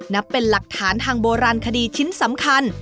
นับเป็นหลักฐานทางโบราณคดีชิ้นสำคัญ